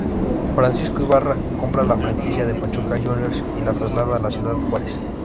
Francisco Ibarra, compra la franquicia de Pachuca Juniors y la traslada a Ciudad Juárez.